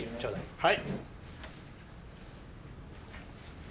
はい。